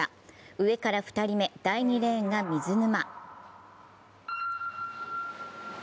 上から２人目、第２レーンが水沼。